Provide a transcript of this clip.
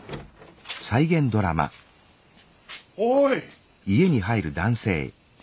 おい。